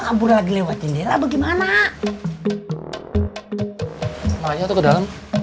kabur lagi lewat cendela bagaimana maja atau dalam iya ya